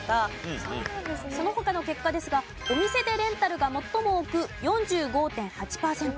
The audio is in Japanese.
その他の結果ですがお店でレンタルが最も多く４５．８パーセント。